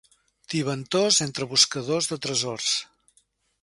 Tibantors entre buscadors de tresors.